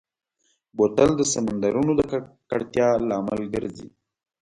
بوتل د سمندرونو د ککړتیا لامل ګرځي.